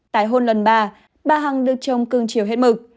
tại hôn lần ba bà hằng được chồng cương triều hết mực